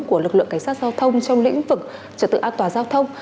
của lực lượng cảnh sát giao thông trong lĩnh vực trật tự an toàn giao thông